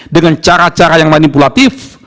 dengan cara cara yang manipulatif